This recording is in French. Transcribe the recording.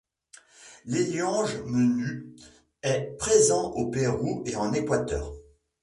L'Héliange menu est présent au Pérou et en Équateur.